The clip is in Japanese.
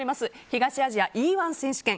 東アジアＥ‐１選手権。